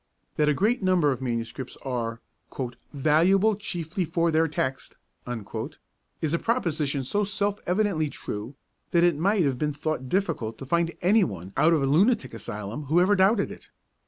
That a great number of manuscripts are 'valuable chiefly for their text' is a proposition so self evidently true, that it might have been thought difficult to find any one out of a lunatic asylum who ever doubted it.